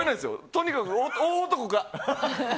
とにかく大男が。